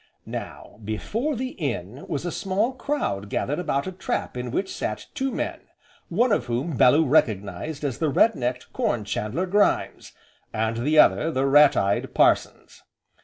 Now, before the inn was a small crowd gathered about a trap in which sat two men, one of whom Bellew recognised as the rednecked Corn chandler Grimes, and the other, the rat eyed Parsons.